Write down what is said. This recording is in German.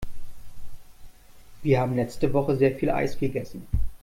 Wir haben letzte Woche sehr viel Eis gegessen.